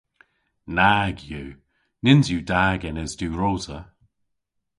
Nag yw. Nyns yw da genes diwrosa.